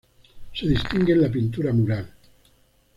Se distingue en la pintura mural.